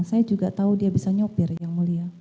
saya juga tahu dia bisa nyopir yang mulia